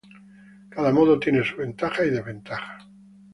Cada modo tiene sus ventajas y desventajas.